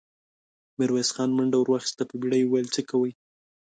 ميرويس خان منډه ور واخيسته، په بيړه يې وويل: څه کوئ!